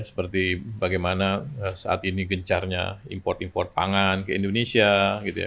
seperti bagaimana saat ini gencarnya import impor pangan ke indonesia gitu ya